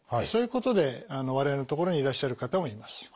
そういうことで我々の所にいらっしゃる方もいます。